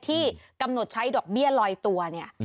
ที่กำหนดใช้ดอกเบี้ยลอยตัวเนี่ย